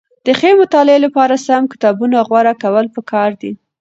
د ښه مطالعې لپاره سم کتابونه غوره کول پکار دي.